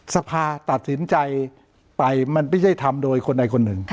สภาตัดสินใจไปมันไม่ใช่ทำโดยคนใดคนหนึ่ง